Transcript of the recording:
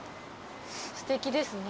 すてきですね。